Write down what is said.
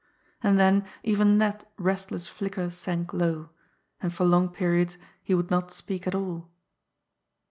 And then even that restless flicker sank low, and for long periods he would not speak at all.